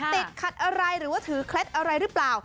ติดขัดอะไรหรือว่าถือเคล็ดอะไรหรือเปล่า